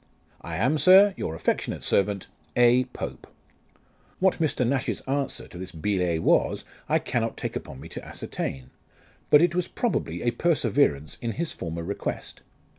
I am, Sir, your affectionate servant, " A. POPE." What Mr. Nash's answer to this billet was I cannot take upon me to ascertain ; but it Avas probably a perseverance in his former request.